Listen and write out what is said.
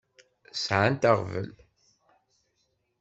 Sɛant aɣbel.